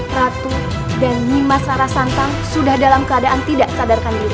hai dan lima sata santang sudah dalam keadaan tidak sadarkan diri